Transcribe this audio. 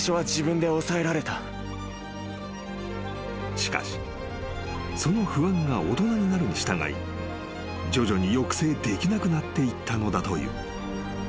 ［しかしその不安が大人になるに従い徐々に抑制できなくなっていったのだという］